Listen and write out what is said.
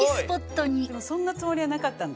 そんなつもりはなかったんだ。